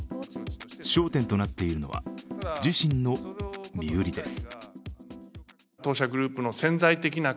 焦点となっているのは自身の身売りです。